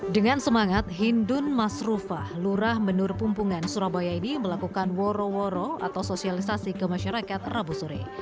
dengan semangat hindun masrufah lurah menur pumpungan surabaya ini melakukan woro woro atau sosialisasi ke masyarakat rabu sore